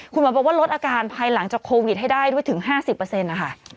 คุณหมอบอกว่าลดอาการภายหลังจากโควิดให้ได้ด้วยถึง๕๐นะคะ